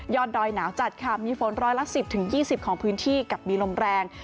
ยอดดอยหนาวจัดค่ะมีฝนร้อยละสิบถึงยี่สิบของพื้นที่กลับมีลมแรง